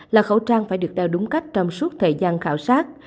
là khẩu trang phải được đeo đúng cách trong suốt thời gian khảo sát